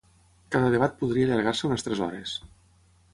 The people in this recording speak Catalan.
Cada debat podria allargar-se unes tres hores.